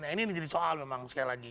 nah ini jadi soal memang sekali lagi